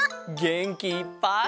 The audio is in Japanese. げんきいっぱい！